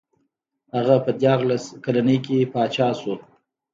هغه په دیارلس کلنۍ کې پاچا شو.